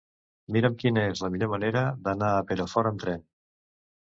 Mira'm quina és la millor manera d'anar a Perafort amb tren.